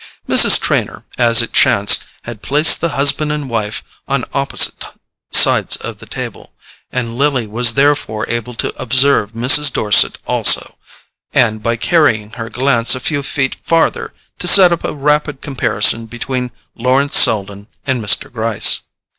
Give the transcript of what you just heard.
Mrs. Trenor, as it chanced, had placed the husband and wife on opposite sides of the table, and Lily was therefore able to observe Mrs. Dorset also, and by carrying her glance a few feet farther, to set up a rapid comparison between Lawrence Selden and Mr. Gryce.